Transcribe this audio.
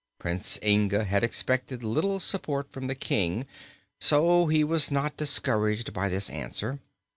Prince Inga had expected little support from the King, so he was not discouraged by this answer.